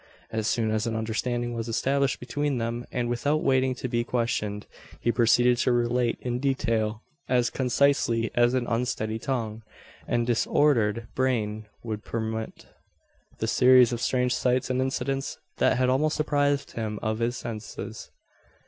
As soon as an understanding was established between them, and without waiting to be questioned, he proceeded to relate in detail, as concisely as an unsteady tongue and disordered brain would permit, the series of strange sights and incidents that had almost deprived him of his senses.